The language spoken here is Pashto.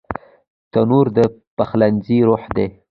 تنور د پخلنځي روح دی